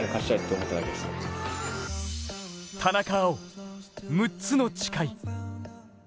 田中碧、６つの誓い。